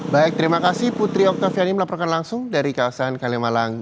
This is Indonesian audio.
baik terima kasih putri oktaviani melaporkan langsung dari kawasan kalimalang